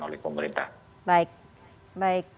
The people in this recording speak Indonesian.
oleh pemerintah baik